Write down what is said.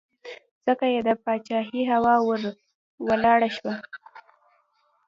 ځکه یې د پاچهۍ هوا ور ولاړه شوه.